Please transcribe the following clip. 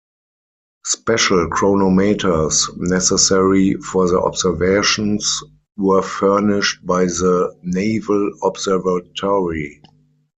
Special chronometers necessary for the observations were furnished by the Naval Observatory.